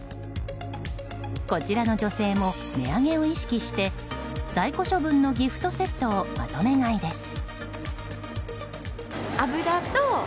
こちらの女性も値上げを意識して在庫処分のギフトセットをまとめ買いです。